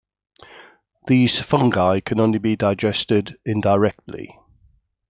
These fungi can only be digested indirectly.